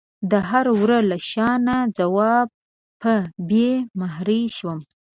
د هر وره له شانه ځواب په بې مهرۍ شوم